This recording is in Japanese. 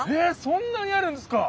そんなにあるんですか！？